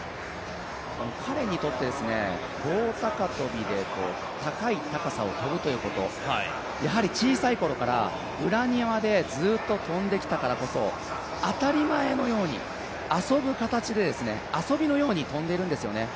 彼にとって棒高跳で高い高さを跳ぶということやはり小さいころから裏庭でずっと跳んできたからこそ当たり前のように遊ぶ形で、遊びのように跳んでるんですよね。